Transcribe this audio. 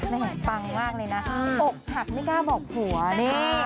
ปังมากเลยนะอกหักไม่กล้าบอกผัวนี่